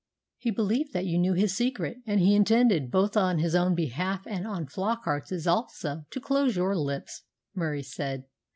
"He believed that you knew his secret, and he intended, both on his own behalf and on Flockart's also, to close your lips," Murie said.